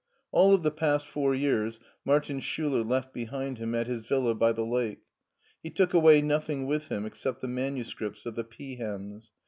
All of the past four years Martin Schuler left behind him at his villa by the lake ; he took away nothing with him except the manuscripts of the peahens.